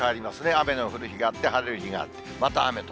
雨の降る日があって、晴れる日があって、また雨と。